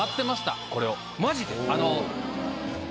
マジで？